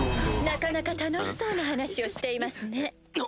なかなか楽しそうな話をしていますね。